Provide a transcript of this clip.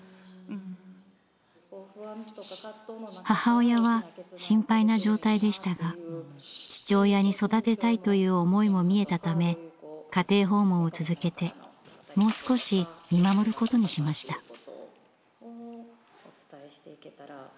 母親は心配な状態でしたが父親に育てたいという思いも見えたため家庭訪問を続けてもう少し見守ることにしました。